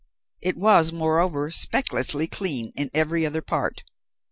It was, moreover, specklessly clean in every other part.